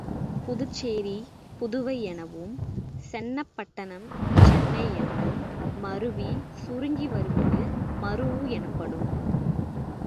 புதுச்சேரி புதுவை எனவும், சென்னப்பட்டணம் சென்னை எனவும் மருவி சுருங்கி வருவது மரூஉ எனப்படும்.